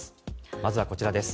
まずはこちらです。